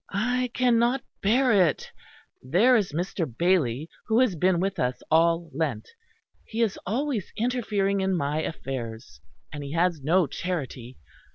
"I cannot bear it; there is Mr. Bailey who has been with us all Lent; he is always interfering in my affairs. And he has no charity.